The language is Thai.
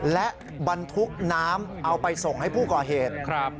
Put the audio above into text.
และบรรทุกน้ำเอาไปส่งให้ผู้ก่อเหตุ